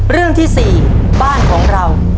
เรื่องที่๔บ้านของเรา